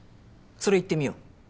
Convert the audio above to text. それいってみよう。